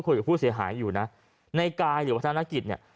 คุยกับผู้เสียหายอยู่นะในกายหรือวัฒนกิจเนี่ย